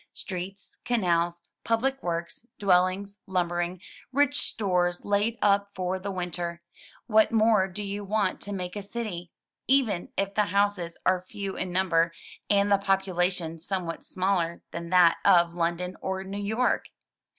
Streets, canals, public works, dwellings, lumbering, rich stores laid up for the winter — what more do you want to make a city, even if the houses are few in number, and the population somewhat smaller than that of London or New York?